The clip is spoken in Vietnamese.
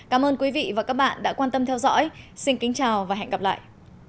cảm ơn các bạn đã theo dõi và hẹn gặp lại